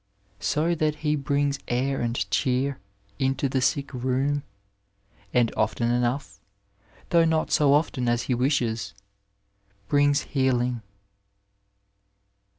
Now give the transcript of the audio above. So that he brings air and cheer into the sick room, and often enough, though not so often as he wishes, brings healing.